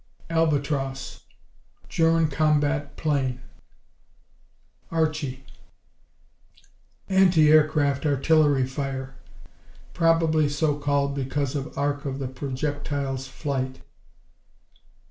Albatross German combat plane. Archie Anti aircraft artillery fire. Probably so called because of arc of the projectile's flight.